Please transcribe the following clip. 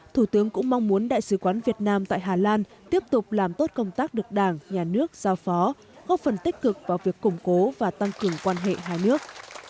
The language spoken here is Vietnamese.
thủ tướng cũng mong muốn đại sứ quán việt nam tại hà lan tiếp tục làm tốt công tác được đảng nhà nước giao phó góp phần tích cực vào việc củng cố và tăng cường quan hệ hai nước